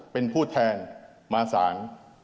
เป็นผู้แทนมาสาร